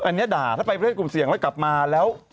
อันนี้ด่าถ้าไปประเทศกลุ่มเสี่ยงแล้วกลับมาแล้ว